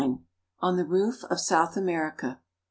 ON THE ROOF OF SOUTH AMERICA.